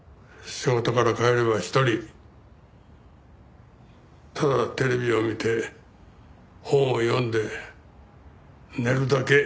仕事から帰れば一人ただテレビを見て本を読んで寝るだけ。